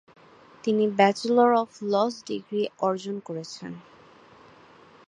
তিনি bachelor of laws degree অর্জন করেছেন।